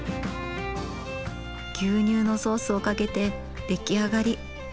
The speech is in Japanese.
牛乳のソースをかけて出来上がり。